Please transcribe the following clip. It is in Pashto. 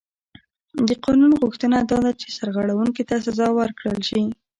د قانون غوښتنه دا ده چې سرغړونکي ته سزا ورکړل شي.